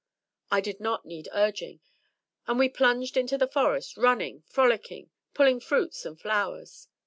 I did not need urging, and we plunged into the Forest, running, frolicking, pulling fruits and flowers.